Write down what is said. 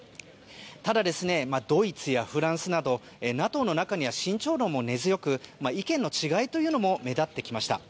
ただ、ドイツやフランスなどＮＡＴＯの中には慎重論も根強く意見の違いも目立ってきました。